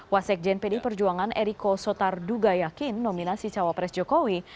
wasekjen pdi perjuangan eriko sotarduga yakin nominasi cawapres jokowi